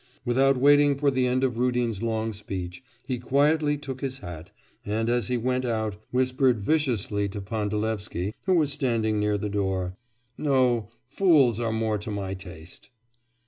Without waiting for the end of Rudin's long speech, he quietly took his hat and as he went out whispered viciously to Pandalevsky who was standing near the door: 'No! Fools are more to my taste.